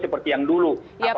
seperti yang dulu